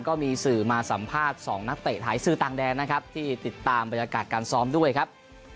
ก็มีสื่อมาสัมภาษณ์๒นักเตะไทยสื่อต่างแดนนะครับที่ติดตามบรรยากาศการซ้อมด้วยครับ